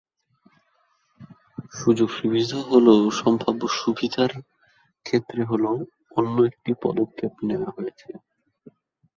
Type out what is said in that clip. সুযোগ সুবিধা হ'ল সম্ভাব্য সুবিধার ক্ষতি হ'ল অন্য একটি পদক্ষেপ নেওয়া হয়েছে।